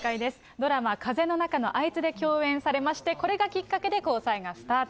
ドラマ、風の中のあいつで共演されまして、これがきっかけで交際がスタート。